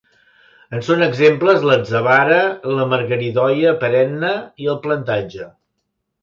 En són exemples l'atzavara, la margaridoia perenne i el plantatge.